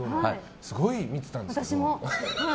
すごい見てたんですけど。